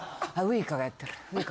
ウイカがやってる。